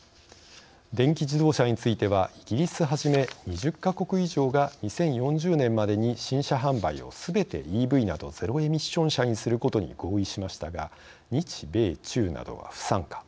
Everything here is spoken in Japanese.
電気自動車についてはイギリスはじめ２０か国以上が２０４０年までに新車販売をすべてＥＶなどゼロエミッション車にすることに合意しましたが日米中などは不参加。